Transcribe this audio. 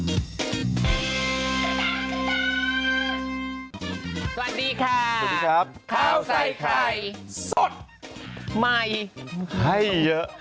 สวัสดีค่ะสวัสดีครับข้าวใส่ไข่สดใหม่ให้เยอะ